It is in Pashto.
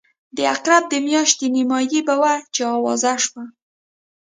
د عقرب د میاشتې نیمایي به وه چې آوازه شوه.